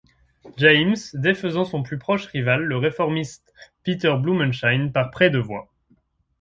James, défaisant son plus proche rival, le réformiste Peter Blumenschein, par près de voix.